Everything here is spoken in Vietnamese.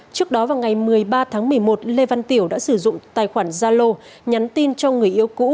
trước đó vào ngày một mươi ba tháng một mươi một lê văn tiểu đã sử dụng tài khoản zalo nhắn tin cho người yêu cũ